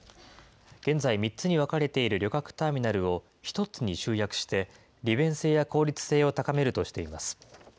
現在、３つに分かれている旅客ターミナルを１つに集約して、利便性や効率性を高めるとしています。